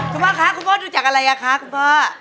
คุณพ่อคะคุณพ่อดูจากอะไรอ่ะคะคุณพ่อ